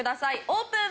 オープン！